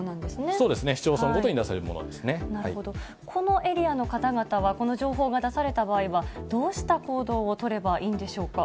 そうですね、市町村ごとに出なるほど、このエリアの方々は、この情報が出された場合は、どうした行動を取ればいいんでしょうか。